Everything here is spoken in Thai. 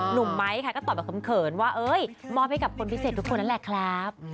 หนุ่มไม้ค่ะก็ตอบแบบเขินว่ามอบให้กับคนพิเศษทุกคนนั่นแหละครับ